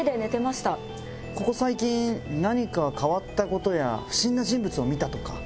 ここ最近何か変わったことや不審な人物を見たとか。